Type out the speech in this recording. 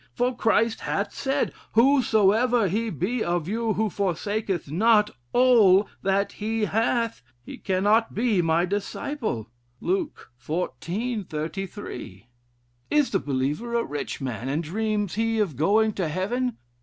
For Christ hath said, 'Whosoever he be of you who forsaketh not all that he hath, he cannot be my disciple.' Luke xiv. 33. Is the believer a rich man? and dreams he of going to Heaven?